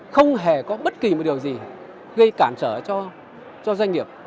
không hề có bất kỳ một điều gì gây cản trở cho doanh nghiệp